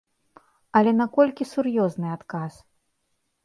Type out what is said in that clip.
Але наколькі сур'ёзны адказ?